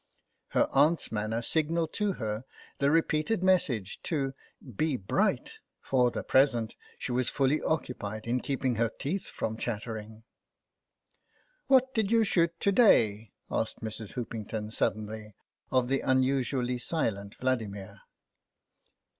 Her aunt's manner signalled to her the re peated message to "be bright"; for the present she was fully occupied in keeping her teeth from chattering. " What did you shoot to day ?" asked Mrs. Hoopington suddenly of the unusually silent Vladimir.